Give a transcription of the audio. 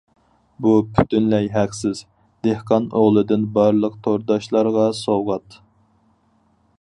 بۇ پۈتۈنلەي ھەقسىز، دېھقان ئوغلىدىن بارلىق تورداشلارغا سوۋغات.